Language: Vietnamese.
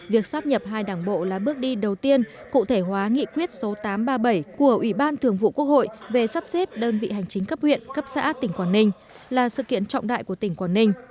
việc sắp nhập hai đảng bộ là bước đi đầu tiên cụ thể hóa nghị quyết số tám trăm ba mươi bảy của ủy ban thường vụ quốc hội về sắp xếp đơn vị hành chính cấp huyện cấp xã tỉnh quảng ninh là sự kiện trọng đại của tỉnh quảng ninh